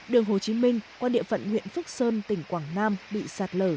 đường hồ chí minh qua địa phận huyện phước sơn tỉnh quảng nam bị sạt lở